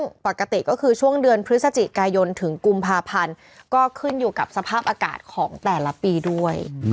ซึ่งปกติก็คือช่วงเดือนพฤศจิกายนถึงกุมภาพันธ์ก็ขึ้นอยู่กับสภาพอากาศของแต่ละปีด้วย